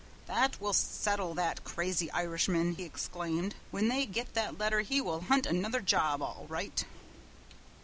"That will settle that crazy Irishman!" he exclaimed. "When they get that letter he will hunt another job, all right!"